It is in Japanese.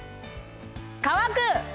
乾く。